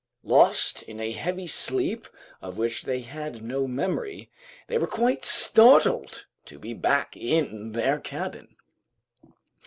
Lost in a heavy sleep of which they had no memory, they were quite startled to be back in their cabin.